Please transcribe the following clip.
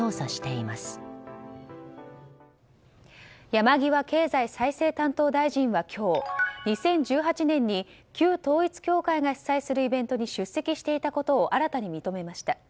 山際経済再生担当大臣は今日２０１８年に旧統一教会が主催するイベントに出席していたことを新たに認めました。